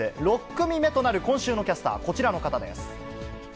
６組目となる今週のキャスターはこちらの方です。